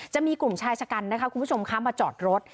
จะมีกลุ่มชายชะกันนะคะคุณผู้ชมคะมาจอดรถ